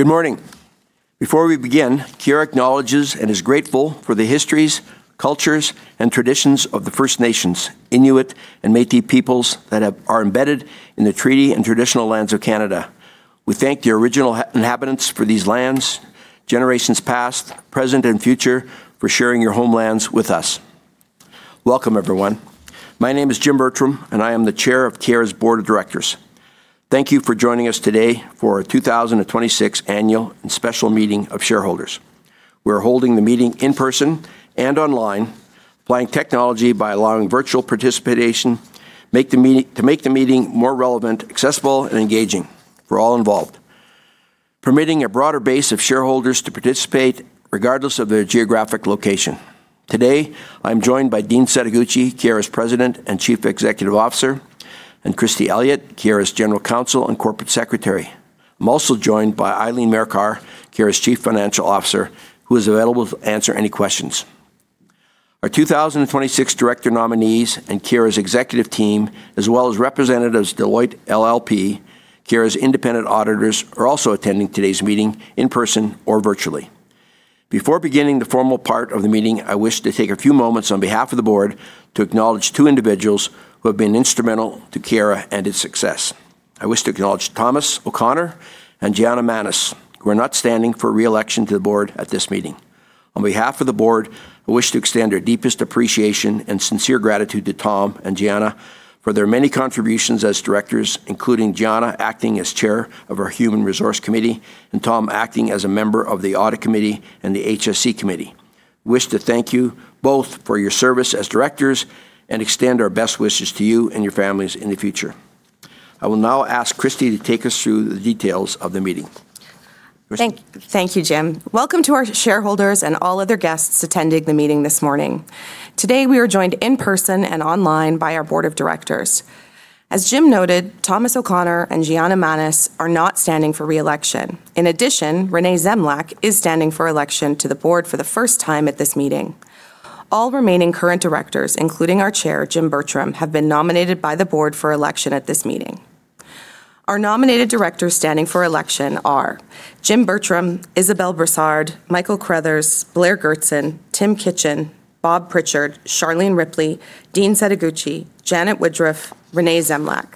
Good morning. Before we begin, Keyera acknowledges and is grateful for the histories, cultures, and traditions of the First Nations, Inuit, and Métis peoples that are embedded in the treaty and traditional lands of Canada. We thank the original inhabitants for these lands, generations past, present, and future for sharing your homelands with us. Welcome, everyone. My name is Jim Bertram, I am the Chair of Keyera's Board of Directors. Thank you for joining us today for our 2026 annual and special meeting of shareholders. We're holding the meeting in person and online, applying technology by allowing virtual participation to make the meeting more relevant, accessible, and engaging for all involved, permitting a broader base of shareholders to participate regardless of their geographic location. Today, I'm joined by Dean Setoguchi, Keyera's President and Chief Executive Officer and Christy Elliott, Keyera's General Counsel and Corporate Secretary. I'm also joined by Eileen Marikar, Keyera's Chief Financial Officer, who is available to answer any questions. Our 2026 director nominees and Keyera's executive team, as well as representatives Deloitte LLP, Keyera's independent auditors, are also attending today's meeting in person or virtually. Before beginning the formal part of the meeting, I wish to take a few moments on behalf of the board to acknowledge two individuals who have been instrumental to Keyera and its success. I wish to acknowledge Thomas O'Connor and Gianna Manes, who are not standing for re-election to the board at this meeting. On behalf of the board, I wish to extend our deepest appreciation and sincere gratitude to Tom and Gianna for their many contributions as directors, including Gianna acting as Chair of our Human Resource Committee and Tom acting as a member of the Audit Committee and the HSE Committee. I wish to thank you both for your service as directors and extend our best wishes to you and your families in the future. I will now ask Christy to take us through the details of the meeting. Christy. Thank you, Jim. Welcome to our shareholders and all other guests attending the meeting this morning. Today, we are joined in person and online by our Board of Directors. As Jim noted, Thomas O'Connor and Gianna Manes are not standing for re-election. In addition, Renee Zemljak is standing for election to the board for the first time at this meeting. All remaining current directors, including our Chair, Jim Bertram, have been nominated by the board for election at this meeting. Our nominated directors standing for election are Jim Bertram, Isabelle Brassard, Michael Crothers, Blair Goertzen, Tim Kitchen, Bob Pritchard, Charlene Ripley, Dean Setoguchi, Janet Woodruff, Renee Zemljak.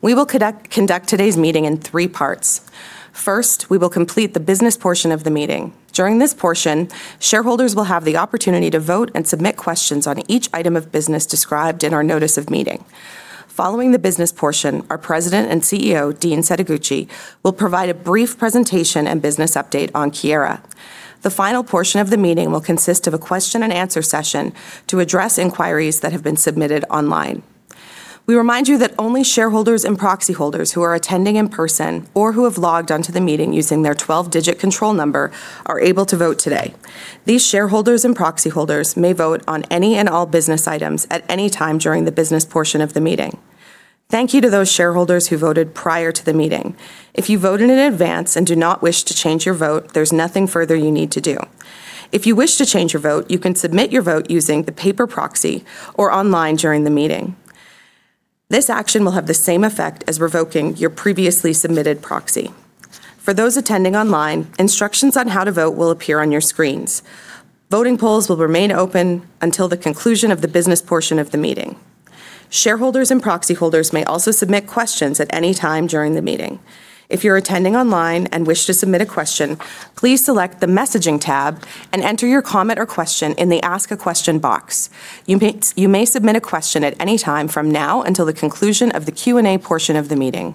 We will conduct today's meeting in three parts. First, we will complete the business portion of the meeting. During this portion, shareholders will have the opportunity to vote and submit questions on each item of business described in our notice of meeting. Following the business portion, our President and Chief Executive Officer, Dean Setoguchi, will provide a brief presentation and business update on Keyera. The final portion of the meeting will consist of a question-and-answer session to address inquiries that have been submitted online. We remind you that only shareholders and proxy holders who are attending in person or who have logged onto the meeting using their 12-digit control number are able to vote today. These shareholders and proxy holders may vote on any and all business items at any time during the business portion of the meeting. Thank you to those shareholders who voted prior to the meeting. If you voted in advance and do not wish to change your vote, there's nothing further you need to do. If you wish to change your vote, you can submit your vote using the paper proxy or online during the meeting. This action will have the same effect as revoking your previously submitted proxy. For those attending online, instructions on how to vote will appear on your screens. Voting polls will remain open until the conclusion of the business portion of the meeting. Shareholders and proxy holders may also submit questions at any time during the meeting. If you're attending online and wish to submit a question, please select the messaging tab and enter your comment or question in the ask a question box. You may submit a question at any time from now until the conclusion of the Q&A portion of the meeting.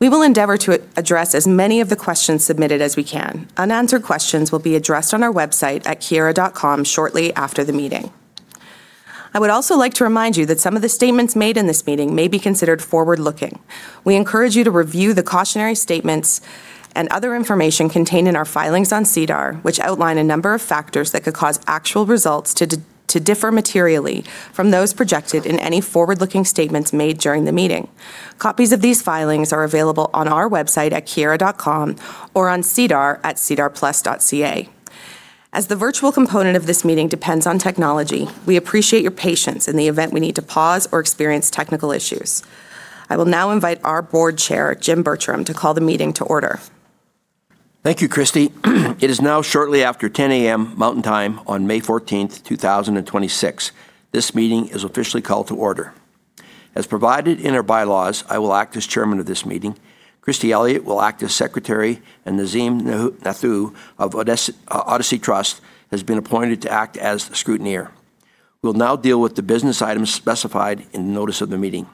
We will endeavor to address as many of the questions submitted as we can. Unanswered questions will be addressed on our website at keyera.com shortly after the meeting. I would also like to remind you that some of the statements made in this meeting may be considered forward-looking. We encourage you to review the cautionary statements and other information contained in our filings on SEDAR, which outline a number of factors that could cause actual results to differ materially from those projected in any forward-looking statements made during the meeting. Copies of these filings are available on our website at keyera.com or on SEDAR at sedarplus.ca. As the virtual component of this meeting depends on technology, we appreciate your patience in the event we need to pause or experience technical issues. I will now invite our Board Chair, Jim Bertram, to call the meeting to order. Thank you, Christy. It is now shortly after 10:00 A.M. Mountain Time on May 14th, 2026. This meeting is officially called to order. As provided in our bylaws, I will act as Chairman of this meeting. Christy Elliott will act as Secretary, and Nazim Nathoo of Odyssey Trust has been appointed to act as scrutineer. We will now deal with the business items specified in the notice of the meeting.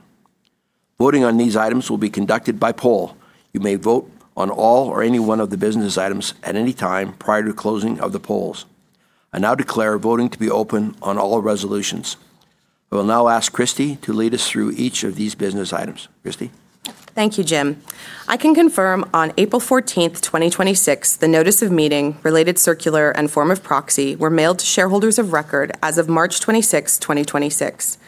Voting on these items will be conducted by poll. You may vote on all or any one of the business items at any time prior to closing of the polls. I now declare voting to be open on all resolutions. I will now ask Christy to lead us through each of these business items. Christy? Thank you, Jim. I can confirm on April 14th, 2026, the notice of meeting, related circular, and form of proxy were mailed to shareholders of record as of March 26th, 2026.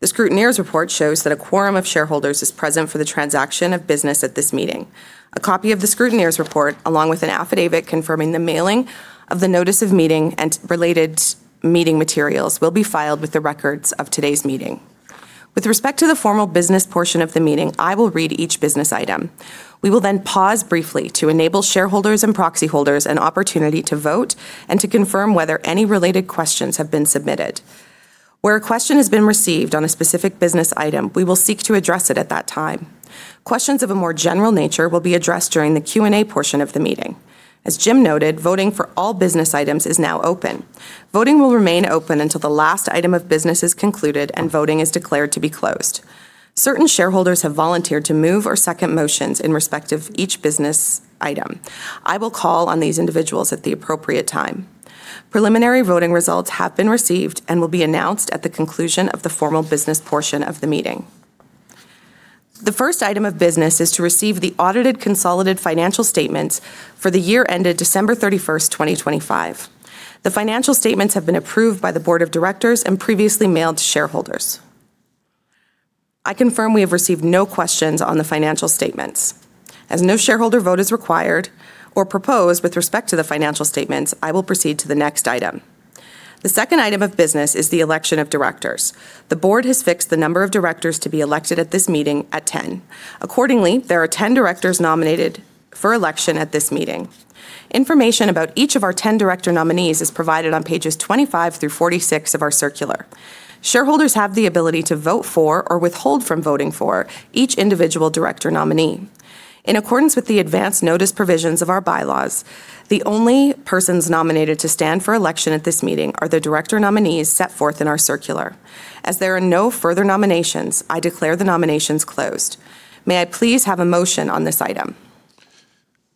The scrutineer's report shows that a quorum of shareholders is present for the transaction of business at this meeting. A copy of the scrutineer's report, along with an affidavit confirming the mailing of the notice of meeting and related meeting materials, will be filed with the records of today's meeting. With respect to the formal business portion of the meeting, I will read each business item. We will then pause briefly to enable shareholders and proxy holders an opportunity to vote and to confirm whether any related questions have been submitted. Where a question has been received on a specific business item, we will seek to address it at that time. Questions of a more general nature will be addressed during the Q&A portion of the meeting. As Jim noted, voting for all business items is now open. Voting will remain open until the last item of business is concluded and voting is declared to be closed. Certain shareholders have volunteered to move or second motions in respective each business item. I will call on these individuals at the appropriate time. Preliminary voting results have been received and will be announced at the conclusion of the formal business portion of the meeting. The first item of business is to receive the audited consolidated financial statements for the year ended December 31st, 2025. The financial statements have been approved by the Board of Directors and previously mailed to shareholders. I confirm we have received no questions on the financial statements. As no shareholder vote is required or proposed with respect to the financial statements, I will proceed to the next item. The second item of business is the election of directors. The board has fixed the number of directors to be elected at this meeting at 10. Accordingly, there are 10 directors nominated for election at this meeting. Information about each of our 10 director nominees is provided on pages 25 through 46 of our circular. Shareholders have the ability to vote for or withhold from voting for each individual director nominee. In accordance with the advanced notice provisions of our bylaws, the only persons nominated to stand for election at this meeting are the director nominees set forth in our circular. As there are no further nominations, I declare the nominations closed. May I please have a motion on this item?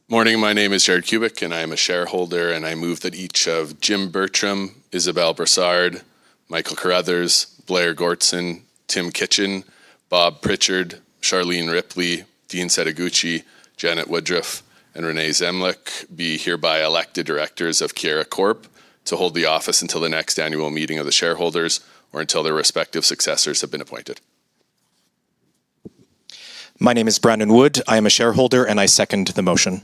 Morning, my name is Jerrad Kubik and I am a shareholder, and I move that each of Jim Bertram, Isabelle Brassard, Michael Crothers, Blair Goertzen, Tim Kitchen, Bob Pritchard, Charlene Ripley, Dean Setoguchi, Janet Woodruff, and Renee Zemljak be hereby elected directors of Keyera Corp to hold the office until the next annual meeting of the shareholders or until their respective successors have been appointed. My name is Brandon Wood. I am a shareholder and I second the motion.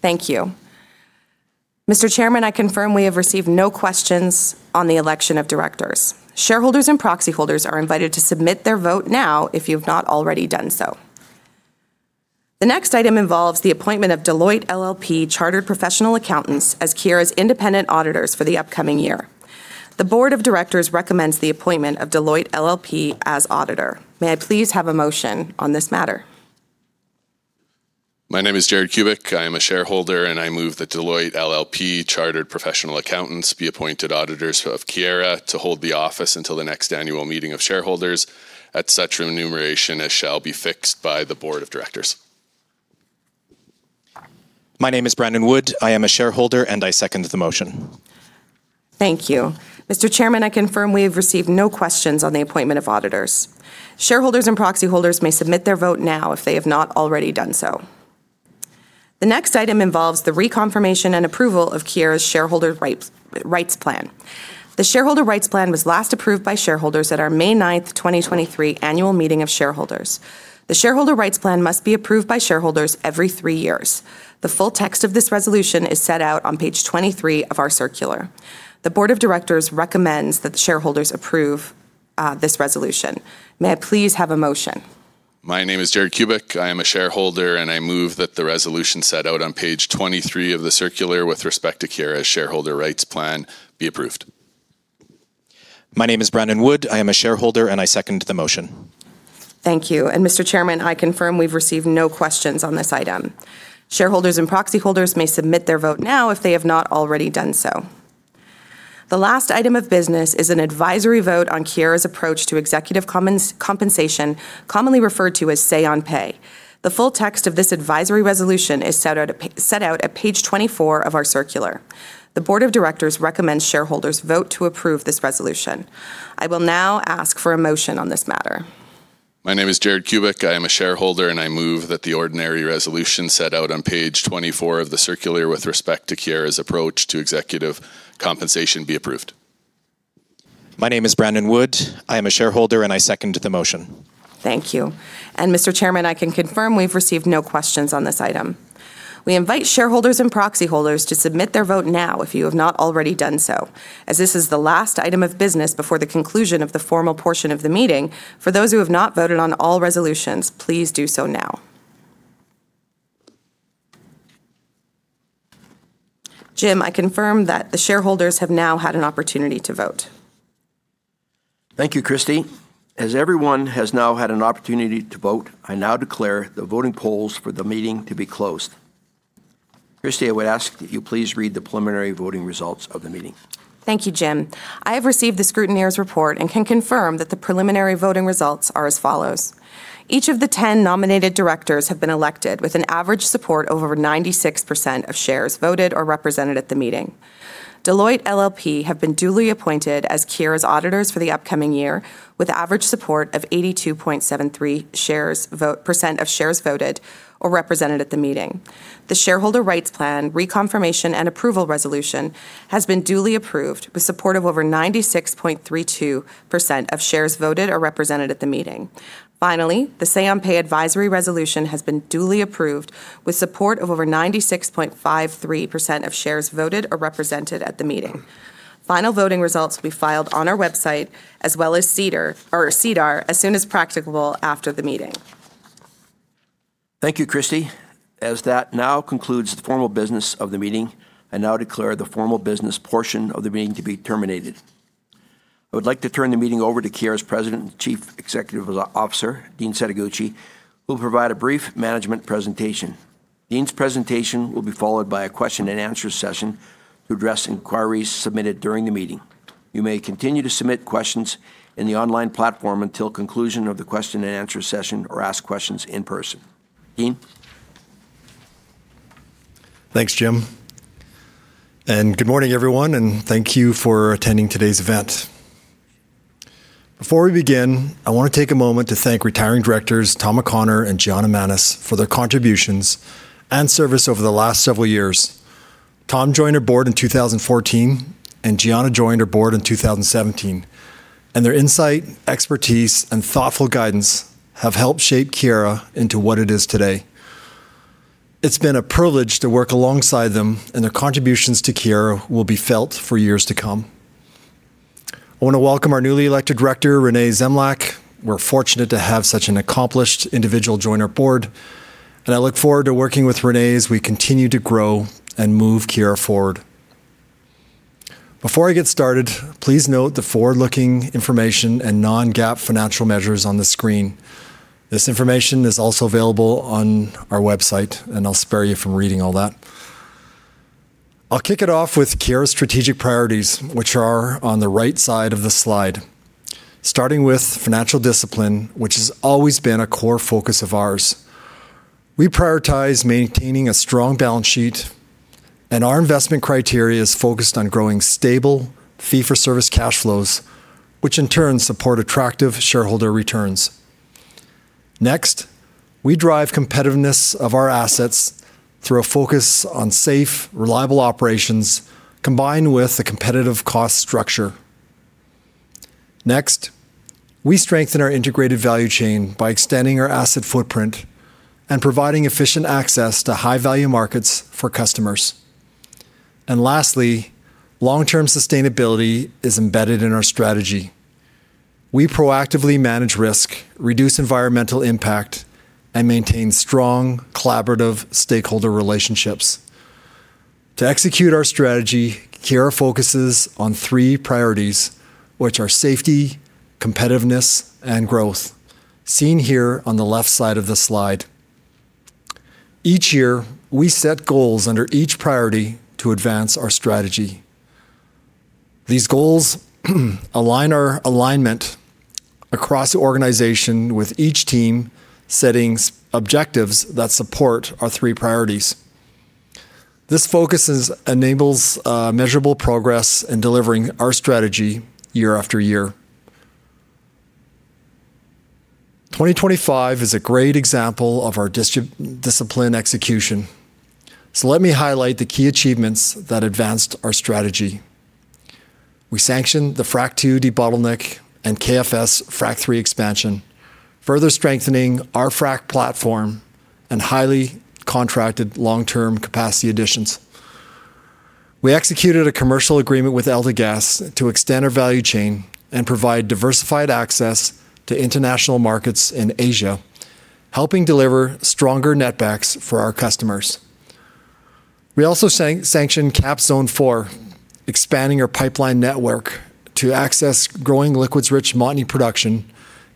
Thank you. Mr. Chairman, I confirm we have received no questions on the election of directors. Shareholders and proxy holders are invited to submit their vote now if you've not already done so. The next item involves the appointment of Deloitte LLP Chartered Professional Accountants as Keyera's independent auditors for the upcoming year. The Board of Directors recommends the appointment of Deloitte LLP as auditor. May I please have a motion on this matter? My name is Jerrad Kubik. I am a shareholder and I move that Deloitte LLP Chartered Professional Accountants be appointed auditors of Keyera to hold the office until the next annual meeting of shareholders at such remuneration as shall be fixed by the Board of Directors. My name is Brandon Wood. I am a shareholder and I second the motion. Thank you. Mr. Chairman, I confirm we have received no questions on the appointment of auditors. Shareholders and proxy holders may submit their vote now if they have not already done so. The next item involves the reconfirmation and approval of Keyera's shareholder rights plan. The shareholder rights plan was last approved by shareholders at our May 9th, 2023 annual meeting of shareholders. The shareholder rights plan must be approved by shareholders every three years. The full text of this resolution is set out on page 23 of our circular. The Board of Directors recommends that the shareholders approve this resolution. May I please have a motion? My name is Jerrad Kubik. I am a shareholder and I move that the resolution set out on page 23 of the circular with respect to Keyera's shareholder rights plan be approved. My name is Brandon Wood. I am a shareholder and I second the motion. Thank you. Mr. Chairman, I confirm we've received no questions on this item. Shareholders and proxy holders may submit their vote now if they have not already done so. The last item of business is an advisory vote on Keyera's approach to executive compensation, commonly referred to as say on pay. The full text of this advisory resolution is set out at page 24 of our circular. The Board of Directors recommends shareholders vote to approve this resolution. I will now ask for a motion on this matter. My name is Jerrad Kubik. I am a shareholder and I move that the ordinary resolution set out on page 24 of the circular with respect to Keyera's approach to executive compensation be approved. My name is Brandon Wood. I am a shareholder and I second the motion. Thank you. Mr. Chairman, I can confirm we've received no questions on this item. We invite shareholders and proxy holders to submit their vote now if you have not already done so. As this is the last item of business before the conclusion of the formal portion of the meeting, for those who have not voted on all resolutions, please do so now. Jim, I confirm that the shareholders have now had an opportunity to vote. Thank you, Christy. As everyone has now had an opportunity to vote, I now declare the voting polls for the meeting to be closed. Christy, I would ask that you please read the preliminary voting results of the meeting. Thank you, Jim. I have received the scrutineer's report and can confirm that the preliminary voting results are as follows. Each of the 10 nominated directors have been elected with an average support over 96% of shares voted or represented at the meeting. Deloitte LLP have been duly appointed as Keyera's auditors for the upcoming year with average support of 82.73% of shares voted or represented at the meeting. The shareholder rights plan reconfirmation and approval resolution has been duly approved with support of over 96.32% of shares voted or represented at the meeting. Finally, the say on pay advisory resolution has been duly approved with support of over 96.53% of shares voted or represented at the meeting. Final voting results will be filed on our website as well as SEDAR as soon as practicable after the meeting. Thank you, Christy. As that now concludes the formal business of the meeting, I now declare the formal business portion of the meeting to be terminated. I would like to turn the meeting over to Keyera's President and Chief Executive Officer, Dean Setoguchi, who will provide a brief management presentation. Dean's presentation will be followed by a question-and-answer session to address inquiries submitted during the meeting. You may continue to submit questions in the online platform until conclusion of the question-and-answer session or ask questions in person. Dean? Thanks, Jim. Good morning, everyone and thank you for attending today's event. Before we begin, I wanna take a moment to thank retiring Directors Tom O'Connor and Gianna Manes for their contributions and service over the last several years. Tom joined our board in 2014, and Gianna joined our board in 2017. Their insight, expertise, and thoughtful guidance have helped shape Keyera into what it is today. It's been a privilege to work alongside them, and their contributions to Keyera will be felt for years to come. I wanna welcome our newly elected Director, Renee Zemljak. We're fortunate to have such an accomplished individual join our board, and I look forward to working with Renee as we continue to grow and move Keyera forward. Before I get started, please note the forward-looking information and non-GAAP financial measures on the screen. This information is also available on our website and I'll spare you from reading all that. I'll kick it off with Keyera's strategic priorities, which are on the right side of the slide. Starting with financial discipline, which has always been a core focus of ours. We prioritize maintaining a strong balance sheet and our investment criteria is focused on growing stable fee-for-service cash flows, which in turn support attractive shareholder returns. Next, we drive competitiveness of our assets through a focus on safe, reliable operations, combined with a competitive cost structure. Next, we strengthen our integrated value chain by extending our asset footprint and providing efficient access to high-value markets for customers. Lastly, long-term sustainability is embedded in our strategy. We proactively manage risk, reduce environmental impact, and maintain strong collaborative stakeholder relationships. To execute our strategy, Keyera focuses on three priorities, which are safety, competitiveness, and growth, seen here on the left side of the slide. Each year, we set goals under each priority to advance our strategy. These goals align our alignment across the organization with each team setting objectives that support our three priorities. This focus enables measurable progress in delivering our strategy year after year. 2025 is a great example of our discipline execution. Let me highlight the key achievements that advanced our strategy. We sanctioned the Frac II debottleneck and KFS Frac III expansion, further strengthening our frac platform and highly contracted long-term capacity additions. We executed a commercial agreement with AltaGas to extend our value chain and provide diversified access to international markets in Asia, helping deliver stronger netbacks for our customers. We also sanctioned KAPS Zone 4, expanding our pipeline network to access growing liquids-rich Montney production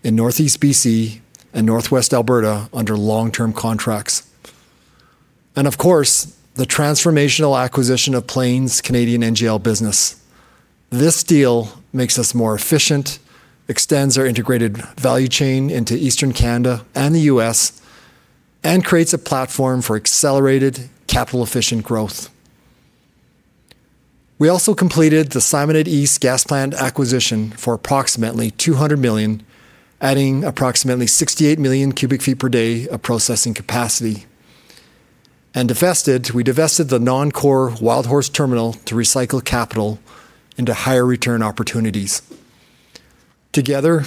in Northeast B.C. and Northwest Alberta under long-term contracts. Of course, the transformational acquisition of Plains' Canadian NGL business. This deal makes us more efficient, extends our integrated value chain into Eastern Canada and the U.S., and creates a platform for accelerated capital-efficient growth. We also completed the Simonette East Gas Plant acquisition for approximately 200 million, adding approximately 68 million cubic feet per day of processing capacity. We divested the non-core Wildhorse Terminal to recycle capital into higher return opportunities. Together,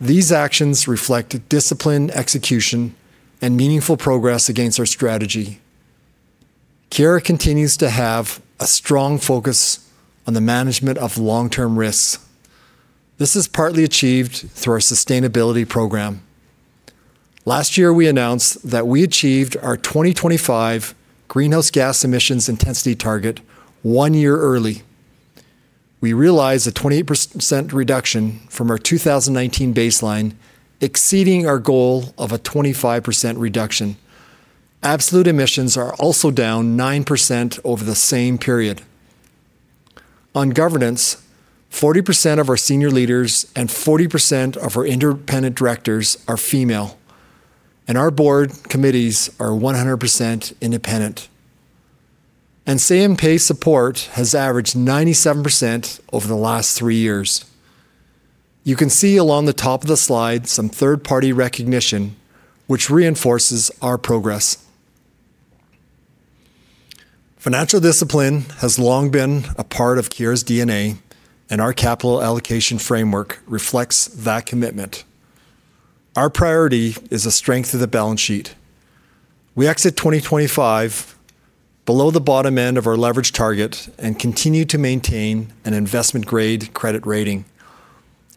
these actions reflect disciplined execution and meaningful progress against our strategy. Keyera continues to have a strong focus on the management of long-term risks. This is partly achieved through our sustainability program. Last year, we announced that we achieved our 2025 greenhouse gas emissions intensity target one year early. We realized a 28% reduction from our 2019 baseline, exceeding our goal of a 25% reduction. Absolute emissions are also down 9% over the same period. On governance, 40% of our senior leaders and 40% of our independent directors are female, and our board committees are 100% independent. Say-on-pay support has averaged 97% over the last three years. You can see along the top of the slide some third-party recognition which reinforces our progress. Financial discipline has long been a part of Keyera's DNA, and our capital allocation framework reflects that commitment. Our priority is the strength of the balance sheet. We exit 2025 below the bottom end of our leverage target and continue to maintain an investment-grade credit rating.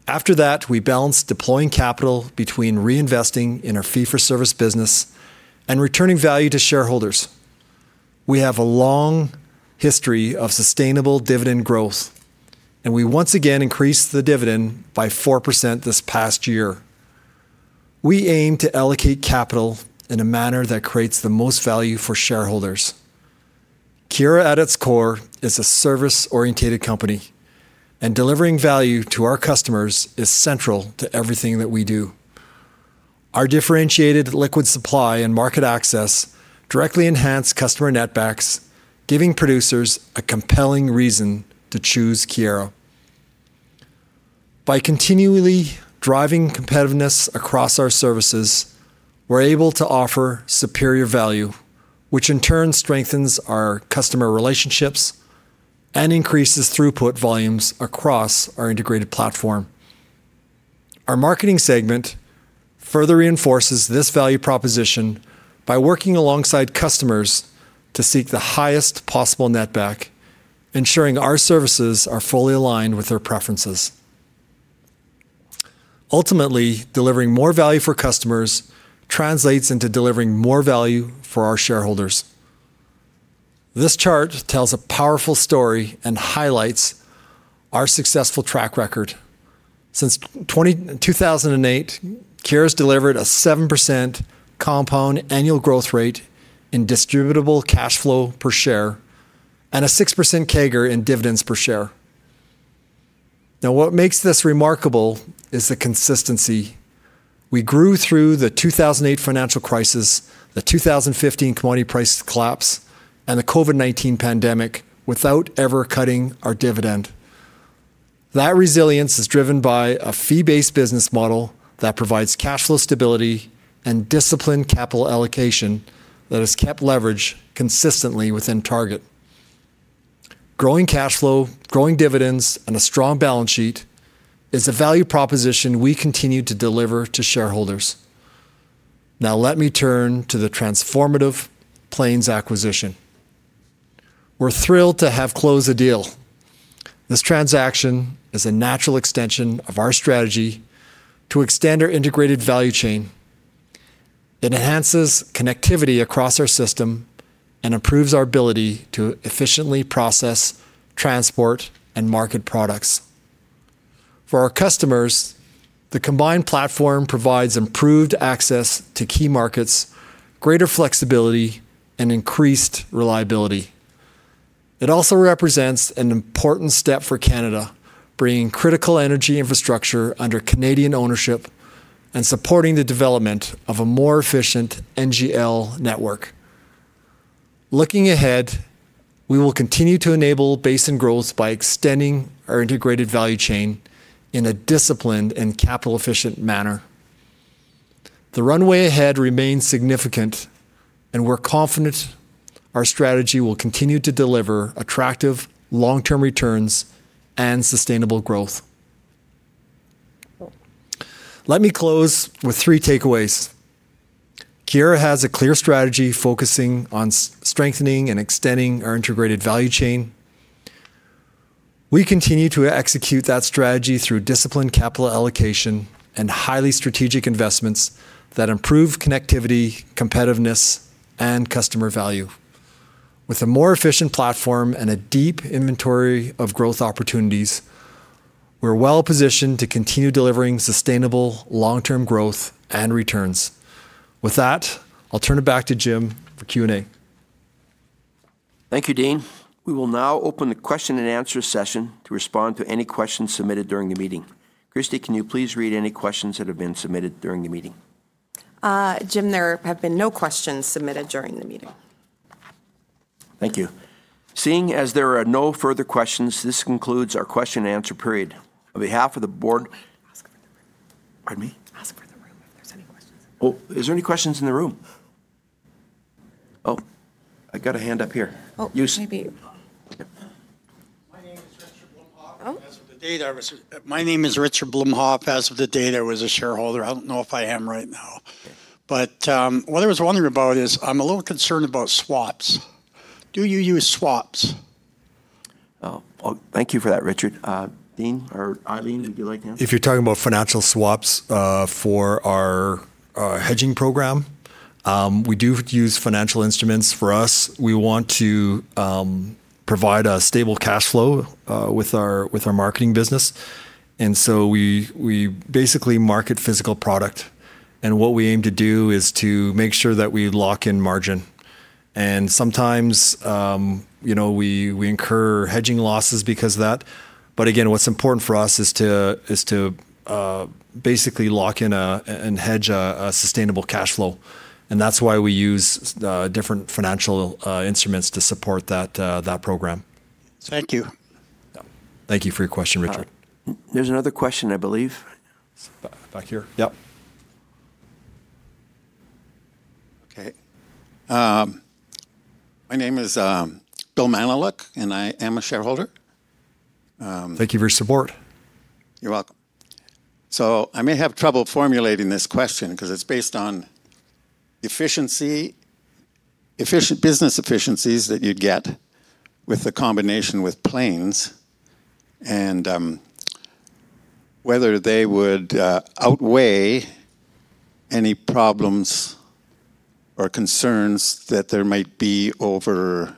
After that, we balanced deploying capital between reinvesting in our fee-for-service business and returning value to shareholders. We have a long history of sustainable dividend growth. We once again increased the dividend by 4% this past year. We aim to allocate capital in a manner that creates the most value for shareholders. Keyera, at its core, is a service-orientated company. Delivering value to our customers is central to everything that we do. Our differentiated liquid supply and market access directly enhance customer netbacks, giving producers a compelling reason to choose Keyera. By continually driving competitiveness across our services, we're able to offer superior value, which in turn strengthens our customer relationships and increases throughput volumes across our integrated platform. Our marketing segment further reinforces this value proposition by working alongside customers to seek the highest possible netback, ensuring our services are fully aligned with their preferences. Ultimately, delivering more value for customers translates into delivering more value for our shareholders. This chart tells a powerful story and highlights our successful track record. Since 2008, Keyera's delivered a 7% compound annual growth rate in distributable cash flow per share and a 6% CAGR in dividends per share. Now, what makes this remarkable is the consistency. We grew through the 2008 financial crisis, the 2015 commodity price collapse, and the COVID-19 pandemic without ever cutting our dividend. That resilience is driven by a fee-based business model that provides cash flow stability and disciplined capital allocation that has kept leverage consistently within target. Growing cash flow, growing dividends, and a strong balance sheet is a value proposition we continue to deliver to shareholders. Let me turn to the transformative Plains acquisition. We're thrilled to have closed the deal. This transaction is a natural extension of our strategy to extend our integrated value chain. It enhances connectivity across our system and improves our ability to efficiently process, transport, and market products. For our customers, the combined platform provides improved access to key markets, greater flexibility, and increased reliability. It also represents an important step for Canada, bringing critical energy infrastructure under Canadian ownership and supporting the development of a more efficient NGL network. Looking ahead, we will continue to enable basin growth by extending our integrated value chain in a disciplined and capital-efficient manner. The runway ahead remains significant. We're confident our strategy will continue to deliver attractive long-term returns and sustainable growth. Let me close with three takeaways. Keyera has a clear strategy focusing on strengthening and extending our integrated value chain. We continue to execute that strategy through disciplined capital allocation and highly strategic investments that improve connectivity, competitiveness, and customer value. With a more efficient platform and a deep inventory of growth opportunities, we're well-positioned to continue delivering sustainable long-term growth and returns. With that, I'll turn it back to Jim for Q&A. Thank you, Dean. We will now open the question-and-answer session to respond to any questions submitted during the meeting. Christy, can you please read any questions that have been submitted during the meeting? Jim, there have been no questions submitted during the meeting. Thank you. Seeing as there are no further questions, this concludes our question-and-answer period. Ask if there's any- Pardon me? Ask if there's any questions in the room. Oh, is there any questions in the room? Oh, I got a hand up here. Oh, maybe. Yep. My name is Richard Bomhof. Oh. My name is Richard Bomhof. As of the date, I was a shareholder. I don't know if I am right now. What I was wondering about is I'm a little concerned about swaps. Do you use swaps? Well, thank you for that, Richard. Dean or Eileen, would you like to answer? If you're talking about financial swaps, for our hedging program, we do use financial instruments. For us, we want to provide a stable cash flow with our marketing business so we basically market physical product and what we aim to do is to make sure that we lock in margin. Sometimes, you know, we incur hedging losses because of that. Again, what's important for us is to basically lock in a and hedge a sustainable cash flow, and that's why we use different financial instruments to support that program. Thank you. Yeah. Thank you for your question, Richard. There's another question, I believe. Back here. Yep. Okay. My name is Bill Manaluk, and I am a shareholder. Thank you for your support. You're welcome. I may have trouble formulating this question 'cause it's based on efficiency. Efficient business efficiencies that you'd get with the combination with Plains and whether they would outweigh any problems or concerns that there might be over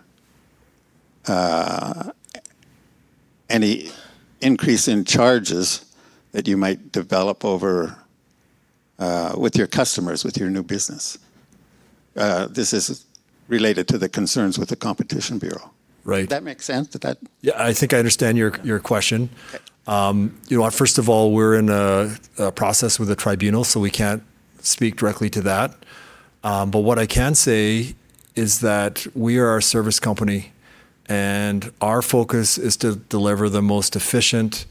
any increase in charges that you might develop with your customers, with your new business. This is related to the concerns with the Competition Bureau. Right. Does that make sense? I think I understand your question. You know, first of all, we're in a process with a tribunal, we can't speak directly to that. What I can say is that we are a service company, our focus is to deliver the most efficient,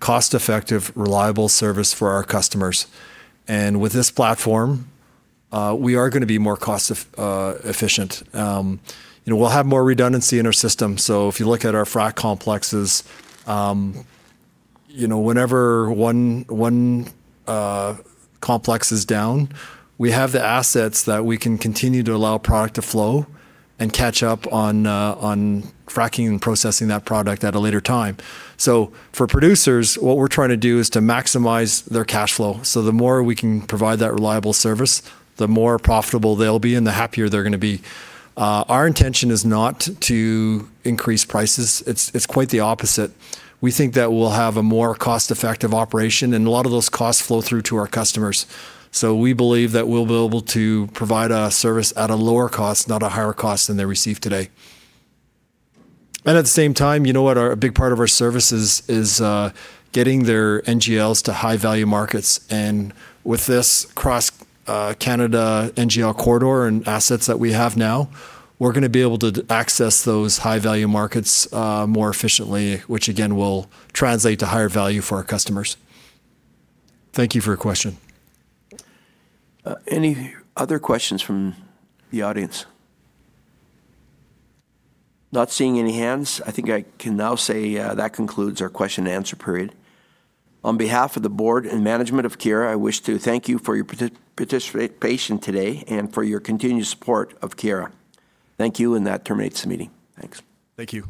cost-effective, reliable service for our customers. With this platform, we are gonna be more efficient. You know, we'll have more redundancy in our system. If you look at our frac complexes, you know, whenever one complex is down, we have the assets that we can continue to allow product to flow and catch up on fracking and processing that product at a later time. For producers, what we're trying to do is to maximize their cash flow. The more we can provide that reliable service, the more profitable they'll be and the happier they're gonna be. Our intention is not to increase prices. It's quite the opposite. We think that we'll have a more cost-effective operation, and a lot of those costs flow through to our customers. We believe that we'll be able to provide our service at a lower cost, not a higher cost than they receive today. At the same time, you know what, a big part of our service is getting their NGLs to high-value markets. With this cross-Canada NGL corridor and assets that we have now, we're gonna be able to access those high-value markets more efficiently, which again, will translate to higher value for our customers. Thank you for your question. Any other questions from the audience? Not seeing any hands, I think I can now say, that concludes our question-and-answer period. On behalf of the board and management of Keyera, I wish to thank you for your participation today and for your continued support of Keyera. Thank you and that terminates the meeting. Thanks. Thank you.